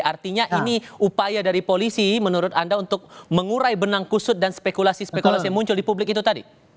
artinya ini upaya dari polisi menurut anda untuk mengurai benang kusut dan spekulasi spekulasi yang muncul di publik itu tadi